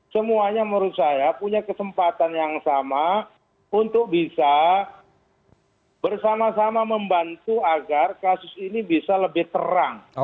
semuanya menurut saya punya kesempatan yang sama untuk bisa bersama sama membantu agar kasus ini bisa lebih terang